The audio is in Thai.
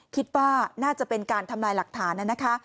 คิดว่าน่าจะเป็นการทำลายหลักฐานนะคะ